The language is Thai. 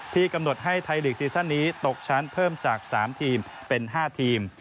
กำหนดให้ไทยลีกซีซั่นนี้ตกชั้นเพิ่มจาก๓ทีมเป็น๕ทีม